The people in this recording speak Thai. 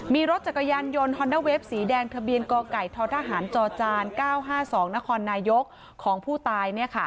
มีรถจักรยานยนต์ฮอนด้าเวฟสีแดงทะเบียนกไก่ททหารจจาน๙๕๒นครนายกของผู้ตาย